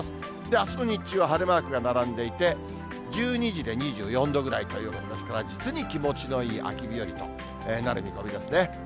あすの日中は晴れマークが並んでいて、１２時で２４度ぐらいということですから、実に気持ちのいい秋日和となる見込みですね。